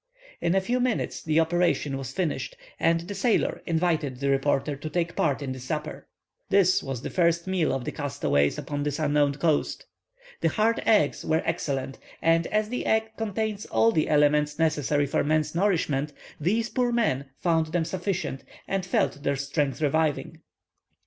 In a few minutes the operation was finished, and the sailor invited the reporter to take part in the supper. This was the first meal of the castaways upon this unknown coast. The hard eggs were excellent, and as the egg contains all the elements necessary for man's nourishment, these poor men found them sufficient, and felt their strength reviving.